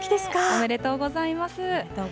おめでとうございます。